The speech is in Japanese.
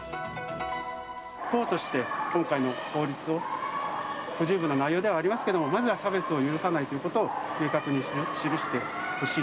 党として、今回の法律を不十分な内容ではありますけれども、まずは差別を許さないということを明確に示してほしい。